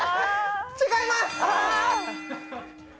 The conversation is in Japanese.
違います！